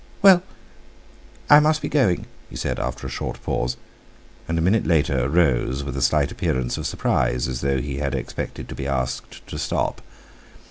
"Well, I must be going," he said after a short pause, and a minute later rose, with a slight appearance of surprise, as though he had expected to be asked to stop.